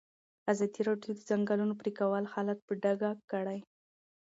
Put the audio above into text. ازادي راډیو د د ځنګلونو پرېکول حالت په ډاګه کړی.